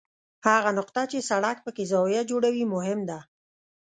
هغه نقطه چې سړک پکې زاویه جوړوي مهم ده